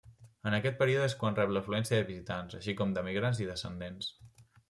En aquest període és quan rep l'afluència de visitants, així com d'emigrants i descendents.